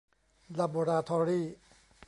ลาโบราทอรี่